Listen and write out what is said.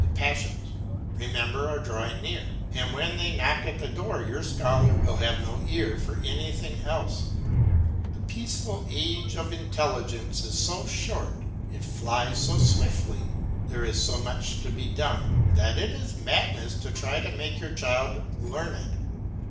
The passions, remember, are drawing near, and when they knock at the door your scholar will have no ear for anything else. The peaceful age of intelligence is so short, it flies so swiftly, there is so much to be done, that it is madness to try to make your child learned.